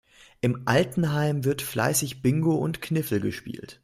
Im Altenheim wird fleißig Bingo und Kniffel gespielt.